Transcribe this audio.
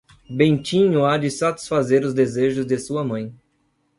Bentinho há de satisfazer os desejos de sua mãe.